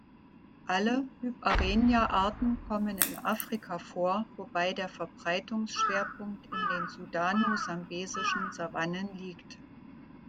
Alle "Hyparrhenia"-Arten kommen in Afrika vor, wobei der Verbreitungsschwerpunkt in den sudano-sambesischen Savannen liegt.